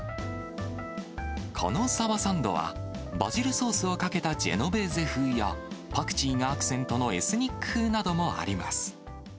このサバサンドは、バジルソースをかけたジェノベーゼ風や、パクチーがアクセントのエスニック風などもあります。